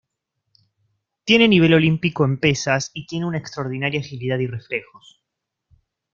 Tiene nivel olímpico en pesas y tiene una extraordinaria agilidad y reflejos.